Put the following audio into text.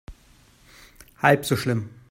Halb so schlimm.